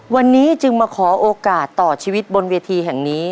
วันนี้จึงมาขอโอกาสต่อชีวิตบนเวทีแห่งนี้